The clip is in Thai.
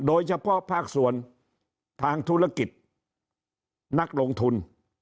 โดยเฉพาะภาคส่วนทางธุรกิจนักลงทุน